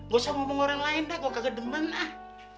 gak usah ngomong orang lain dah gue kagak demeng ah